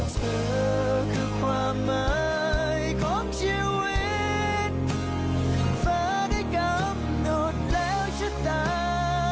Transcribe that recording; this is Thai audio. เธอคือความหมายของชีวิตฝาด้วยกำหนดแล้วชะตา